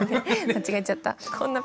間違えちゃった。